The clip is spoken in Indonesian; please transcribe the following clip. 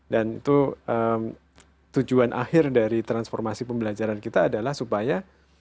dan itu tujuan akhir dari transformasi pembelajaran kita adalah supaya